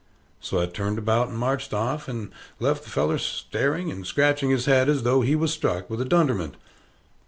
So I turned about and marched off, and left the feller staring and scratching his head, as though he was struck with a dunderment.